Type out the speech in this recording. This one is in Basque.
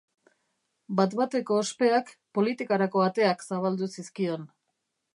Bat-bateko ospeak politikarako ateak zabaldu zizkion.